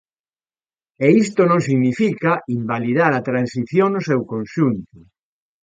E isto non significa invalidar a Transición no seu conxunto.